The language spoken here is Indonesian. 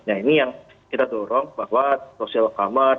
nah ini yang kita dorong bahwa social commerce